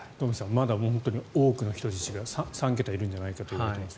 まだ多くの人質が３桁いるんじゃないかといわれています。